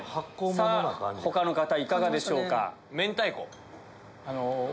さぁ他の方いかがでしょうか？